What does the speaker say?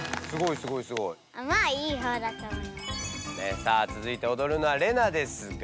さあつづいておどるのはレナですが。